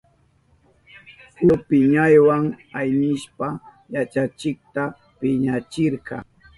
Julio piñaywa aynishpan yachachikta piñachirka.